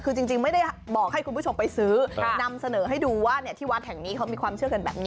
คือจริงไม่ได้บอกให้คุณผู้ชมไปซื้อนำเสนอให้ดูว่าที่วัดแห่งนี้เขามีความเชื่อกันแบบนี้